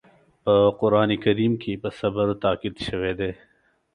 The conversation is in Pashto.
په قرآن کریم کې په صبر تاکيد شوی دی.